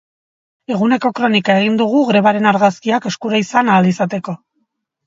Eguneko kronika egin dugu grebaren argazkiak eskura izan ahal izateko.